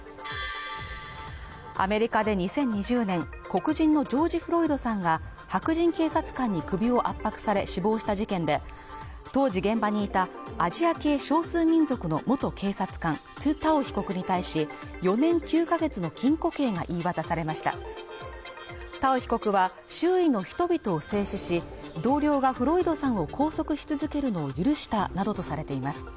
アメリカで２０２０年、黒人のジョージ・フロイドさんが白人警察官に首を圧迫され死亡した事件で当時現場にいたアジア系少数民族の元警察官トゥ・タオ被告に対し４年９か月の禁固刑が言い渡されましたタオ被告は周囲の人々を制止し同僚がフロイドさんを拘束し続けるのを許したなどとされています